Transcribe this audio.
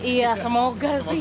iya semoga sih